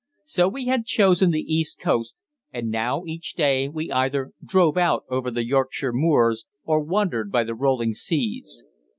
So we had chosen the East Coast, and now each day we either drove out over the Yorkshire moors, or wandered by the rolling seas.